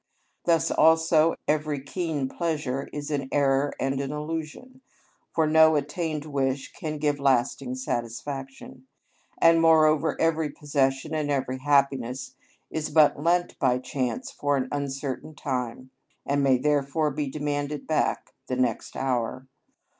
(25) Thus also every keen pleasure is an error and an illusion, for no attained wish can give lasting satisfaction; and, moreover, every possession and every happiness is but lent by chance for an uncertain time, and may therefore be demanded back the next hour.